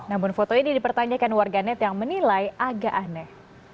namun foto ini dipertanyakan warganet yang menilai agak aneh